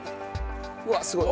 うわっすごい！